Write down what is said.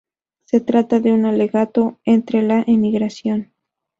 Se trata de un alegato contra la emigración.